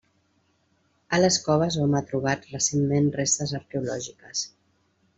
A les coves hom ha trobat recentment restes arqueològiques.